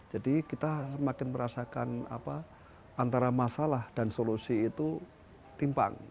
jadi kita semakin merasakan antara masalah dan solusi itu timpang